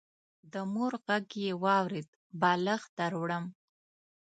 د مور غږ يې واورېد: بالښت دروړم.